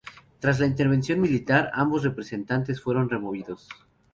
Tras la intervención militar, ambos representantes fueron removidos.